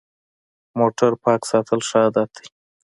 موټر پاک ساتل ښه عادت دی.